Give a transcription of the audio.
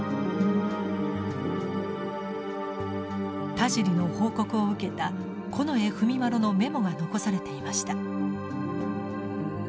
田尻の報告を受けた近衛文麿のメモが残されていました。